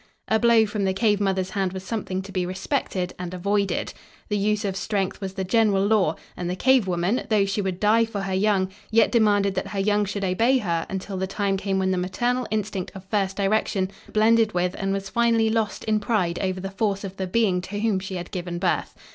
A blow from the cave mother's hand was something to be respected and avoided. The use of strength was the general law, and the cave woman, though she would die for her young, yet demanded that her young should obey her until the time came when the maternal instinct of first direction blended with and was finally lost in pride over the force of the being to whom she had given birth.